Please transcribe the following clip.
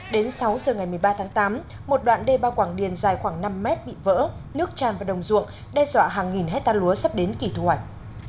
đến sáu giờ ngày một mươi ba tháng tám một đoạn đê bao quảng điền dài khoảng năm mét bị vỡ nước tràn vào đồng ruộng đe dọa hàng nghìn hectare lúa sắp đến kỳ thu hoạch